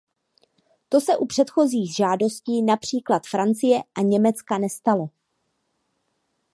To se u předchozích žádostí, například Francie a Německa nestalo.